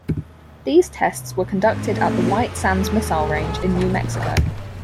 These tests were conducted at the White Sands Missile Range in New Mexico.